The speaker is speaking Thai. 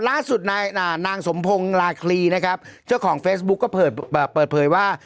ล่าสุดนายนางสมพงศ์ลาคลีนะครับเจ้าของเฟซบุ๊กก็เปิดเผยว่า